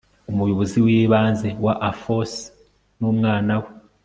umuyobozi w ibanze wa AFOS n umwana we